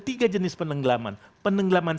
tiga jenis penenggelaman penenggelaman